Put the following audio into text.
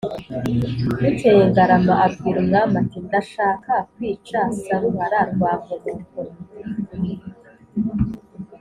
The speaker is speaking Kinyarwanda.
Bukeye Ngarama abwira umwami ati « ndashaka kwica Saruhara rwa Nkomokomo